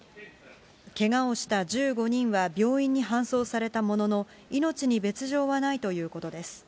けがをした１５人は病院に搬送されたものの、命に別状はないということです。